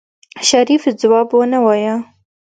شريف ځواب ونه وايه.